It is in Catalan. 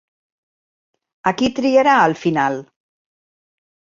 A qui triarà al final?